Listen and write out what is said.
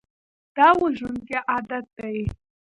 دا وژونکی عادت دی.